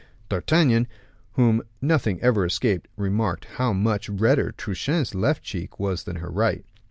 D'Artagnan, whom nothing ever escaped, remarked how much redder Truchen's left cheek was than her right.